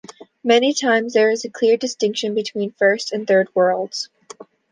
Many times there is a clear distinction between First and Third Worlds.